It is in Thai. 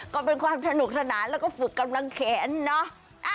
ก็เป็นความสนุกสนานแล้วก็ฝึกกำลังแขนเนอะ